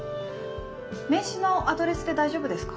名刺のアドレスで大丈夫ですか？